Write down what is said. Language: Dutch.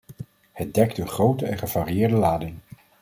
Het dekt een grote en gevarieerde lading.